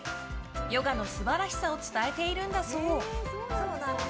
ヨガの素晴らしさを伝えているんだそう。